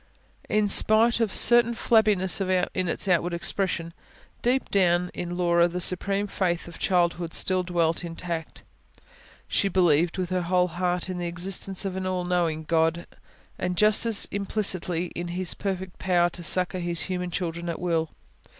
In spite of a certain flabbiness in its outward expression, deep down in Laura the supreme faith of childhood still dwelt intact: she believed, with her whole heart, in the existence of an all knowing God, and just as implicitly in His perfect power to succour His human children at will.